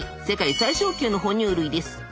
世界最小級のほ乳類です。